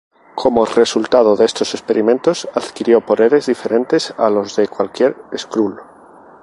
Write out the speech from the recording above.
Como resultado de estos experimentos, adquirió poderes diferentes a los de cualquier skrull.